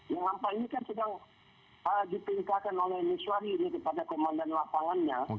yang empat ini kan sedang dipingkakan oleh nuswari ini kepada komandan lapangannya